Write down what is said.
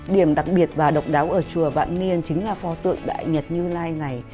điểm đặc biệt và độc đáo ở chùa vạn niên chính là pho tượng đại nhật như lai này